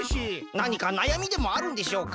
なにかなやみでもあるんでしょうか？